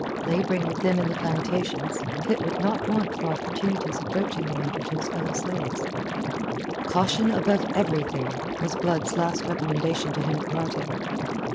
Labouring with them in the plantations, Pitt would not want for opportunities of broaching the matter to his fellow slaves. "Caution above everything," was Blood's last recommendation to him at parting.